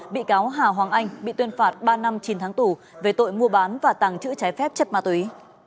bị cáo hà hoàng anh bị tuyên phạt ba năm chín tháng tù về tội mua bán và tàng trữ trái phép chất ma túy